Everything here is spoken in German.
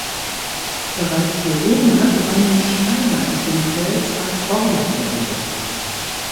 Bereits die Römer gewannen Steine aus dem Fels als Baumaterial.